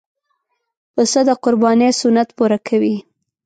پسه د قربانۍ سنت پوره کوي.